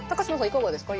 いかがですか？